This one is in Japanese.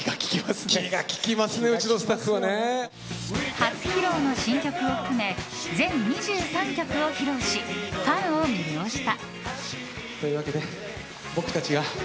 初披露の新曲を含め全２３曲を披露しファンを魅了した。